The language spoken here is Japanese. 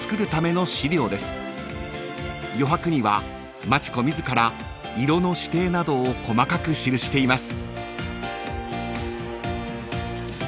［余白には町子自ら色の指定などを細かく記しています］